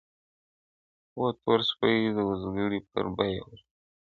o تور سپى د وزگړي په بيه ورکوي!